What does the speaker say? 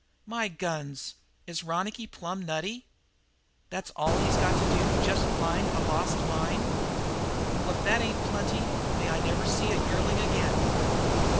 "My guns, is Ronicky plumb nutty? That's all he's got to do just find a 'lost mine?' Well, if that ain't plenty, may I never see a yearling ag'in!"